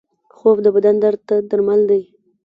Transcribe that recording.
خوب د بدن درد ته درمل دی